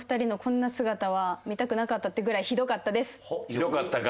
ひどかったか。